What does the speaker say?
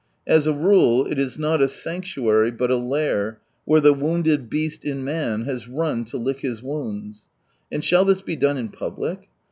As a rule it is not a sanctuary but a lair where the wounded beast in man has run to lick his wounds. And shall this be done in public